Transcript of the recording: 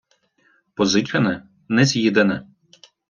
Позичене — не з'їдене.